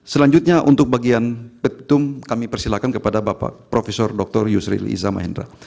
selanjutnya untuk bagian betum kami persilahkan kepada bapak prof dr yusri izzah mahendra